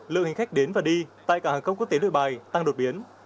lượng hành khách đến và đi tại cảng hàng không quốc tế nội bài tăng đột biến